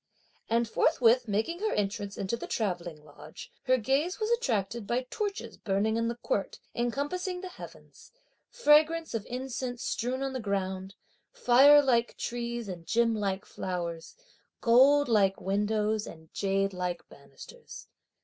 And forthwith making her entrance into the travelling lodge her gaze was attracted by torches burning in the court encompassing the heavens, fragments of incense strewn on the ground, fire like trees and gem like flowers, gold like windows and jade like bannisters.